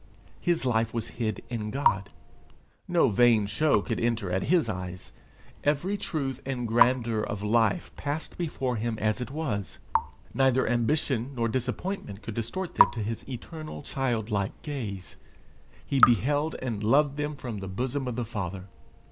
His life was hid in God. No vain show could enter at his eyes; every truth and grandeur of life passed before him as it was; neither ambition nor disappointment could distort them to his eternal childlike gaze; he beheld and loved them from the bosom of the Father.